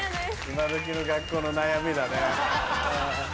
今どきの学校の悩みだね。